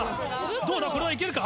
どうだこれは行けるか？